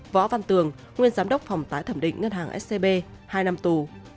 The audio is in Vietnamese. võ văn tường nguyên giám đốc phòng tái thẩm định ngân hàng scb hai năm tù